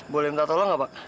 boleh minta tolong nggak pak